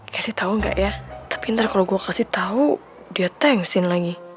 kasih tau gak ya tapi ntar kalau gue kasih tau dia tengusin lagi